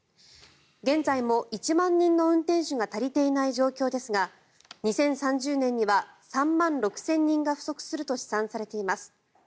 現在も１万人の運転手が足りていない状況ですが２０３０年には３万６０００人が不足すると試算されています。